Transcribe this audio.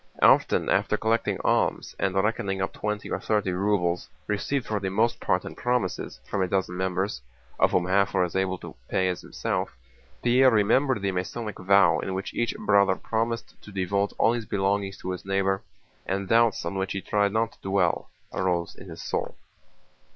Often after collecting alms, and reckoning up twenty to thirty rubles received for the most part in promises from a dozen members, of whom half were as well able to pay as himself, Pierre remembered the Masonic vow in which each Brother promised to devote all his belongings to his neighbor, and doubts on which he tried not to dwell arose in his soul.